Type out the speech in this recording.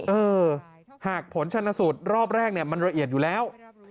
เออหากผลชนสูตรรอบแรกมันละเอียดอยู่แล้ว